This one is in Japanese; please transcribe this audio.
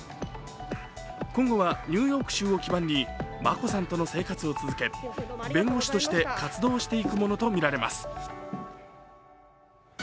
今後はニューヨーク州を基盤に眞子さんとの生活を続け、弁護士として活動していくものとみられます。